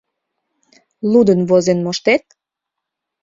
Лудын-возен моштет?